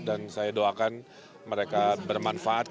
dan saya doakan mereka bermanfaat